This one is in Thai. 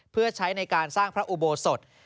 เพื่อใช้ในการสร้างพระอุโบสถ